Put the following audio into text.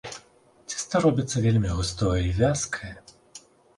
Цеста робіцца вельмі густое й вязкае.